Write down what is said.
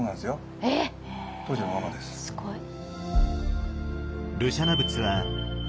えすごい。